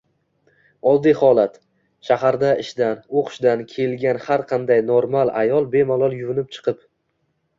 Oddiy holat: shaharda ishdan, o‘qishdan kelgan har qanday normal ayol bemalol yuvinib chiqib